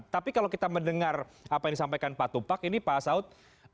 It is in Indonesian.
tapi kalau kita mendengar apa yang disampaikan pak tupak ini pak saud